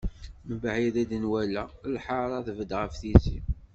Mebɛid ay d-nwala, lḥara tbedd ɣef tizi.